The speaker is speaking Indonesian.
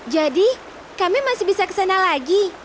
jadi kami masih bisa ke sana lagi